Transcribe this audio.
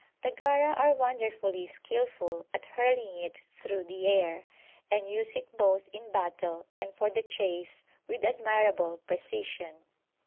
The Gara are wonderfully skilful at hurling it through the air, and use it both in battle and for the chase with admirable precision.